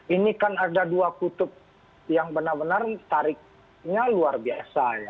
ini kan ada dua kutub yang benar benar tariknya luar biasa ya